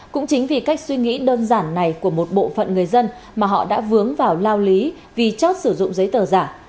cũng chính vì cách suy nghĩ đơn giản này của một bộ phận người dân mà họ đã vướng vào lao lý vì chót sử dụng giấy tờ giả